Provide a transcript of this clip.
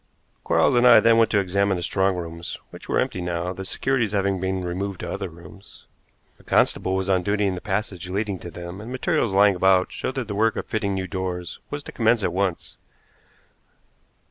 Quarles and I then went to examine the strong rooms, which were empty now, the securities having been removed to other rooms. A constable was on duty in the passage leading to them, and materials lying about showed that the work of fitting new doors was to commence at once.